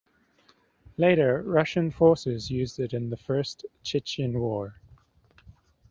Later, Russian forces used it in the First Chechen War.